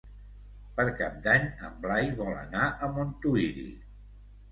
Per Cap d'Any en Blai vol anar a Montuïri.